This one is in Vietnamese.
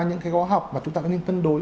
những cái gói học mà chúng ta nên tân đối